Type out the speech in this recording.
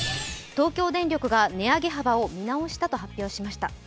東京電力が値上げ幅を見直したと発表しました。